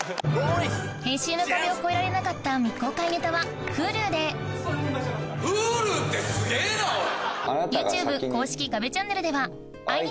編集の壁を越えられなかった未公開ネタはＨｕｌｕでＨｕｌｕってすげぇなおい！